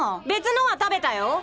別のは食べたよ！